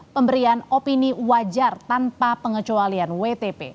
pemberian opini wajar tanpa pengecualian wtp